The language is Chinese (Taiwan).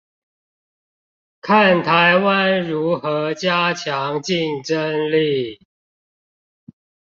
看台灣如何加強競爭力